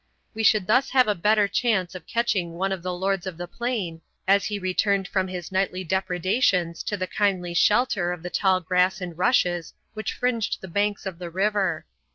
We should thus have a better chance of catching one of the lords of the plain as he returned from his nightly depredations to the kindly shelter of the tall grass and rushes which fringed the banks of the river.